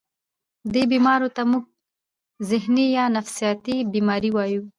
دې بيمارو ته مونږ ذهني يا نفسياتي بيمارۍ وايو